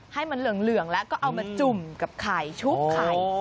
ให้มันเหลืองแล้วก็เอามาจุ่มกับไข่ชุบไข่